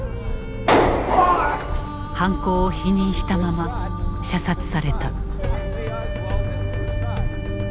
犯行を否認したまま射殺された。